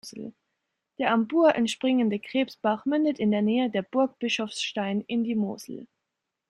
Der am Bur entspringende Krebsbach mündet in Nähe der Burg Bischofstein in die Mosel.